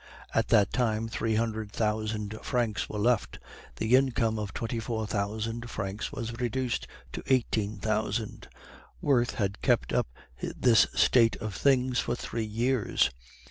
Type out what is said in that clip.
At that time three hundred thousand francs were left; the income of twenty four thousand francs was reduced to eighteen thousand. Wirth had kept up this state of things for three years!